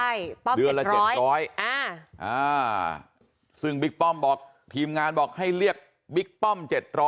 ใช่ป้อมเดือนละ๗๐๐ซึ่งบิ๊กป้อมบอกทีมงานบอกให้เรียกบิ๊กป้อม๗๐๐